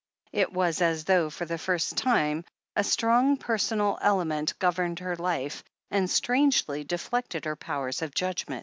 It was as though, for the first time, a strong personal element governed her life and strangely deflected her powers of judgment.